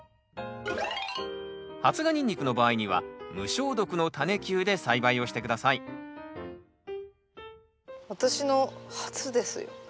発芽ニンニクの場合には無消毒のタネ球で栽培をして下さい私の初ですよ。